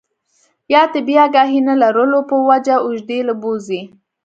يا طبي اګاهي نۀ لرلو پۀ وجه اوږدې له بوځي